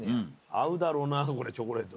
合うだろうなこれチョコレート。